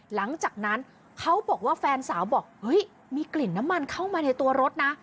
หลังจากนั้นเขาบอกว่าแฟนสาวบอกเฮ้ยมีกลิ่นน้ำมันเข้ามาในตัวรถนะ